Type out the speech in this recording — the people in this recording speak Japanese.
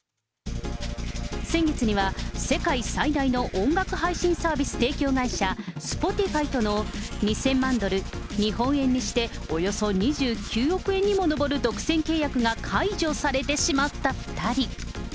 先月には、世界最大の音楽配信サービス提供会社、Ｓｐｏｔｉｆｙとの２０００万ドル、日本円にしておよそ２９億円にも上る独占契約が解除されてしまった２人。